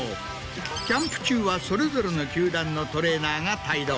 キャンプ中はそれぞれの球団のトレーナーが帯同。